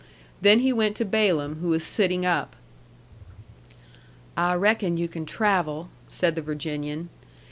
Then he went to Balaam, who was sitting up. "I reckon you can travel," said the Virginian.